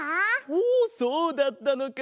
おそうだったのか！